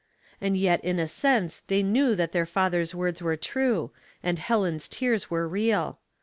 And yet in a sense they knew that their father's words were true, and Helen's tears were real.